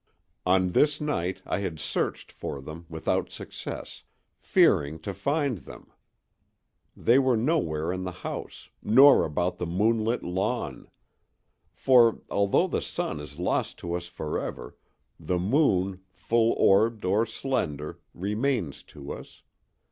On this night I had searched for them without success, fearing to find them; they were nowhere in the house, nor about the moonlit lawn. For, although the sun is lost to us forever, the moon, full orbed or slender, remains to us.